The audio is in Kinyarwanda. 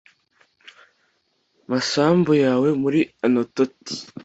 masambu yawe muri anatoti